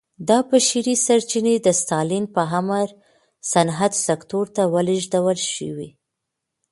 دا بشري سرچینې د ستالین په امر صنعت سکتور ته ولېږدول شوې